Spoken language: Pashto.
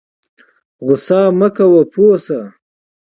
غوسه مه کوه پوه شه